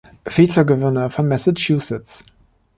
Vizegouverneur von Massachusetts.